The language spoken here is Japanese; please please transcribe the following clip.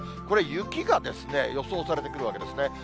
これ、雪が予想されてくるわけですね。